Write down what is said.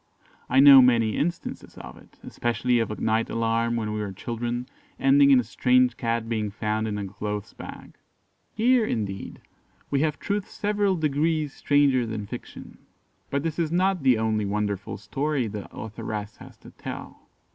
I know many instances of it especially of a night alarm when we were children, ending in a strange cat being found in a clothes bag. Here, indeed, we have truth several degrees stranger than fiction; but this is not the only wonderful story the authoress has to tell.